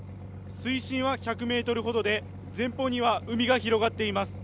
水深は１００ｍほどで前方には海が広がっています。